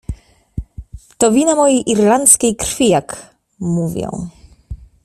"To wina mojej irlandzkiej krwi, jak mówią."